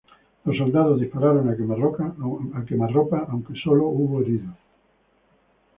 Los soldados disparan a quemarropa, aunque solo hubo heridos.